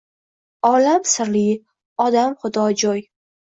Olam sirli, odam xudojo’y.